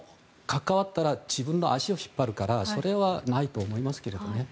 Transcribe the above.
関わったら自分の足を引っ張るからそれはないと思いますけどね。